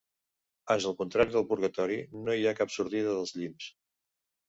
Ans al contrari del purgatori, no hi ha cap sortida dels llimbs.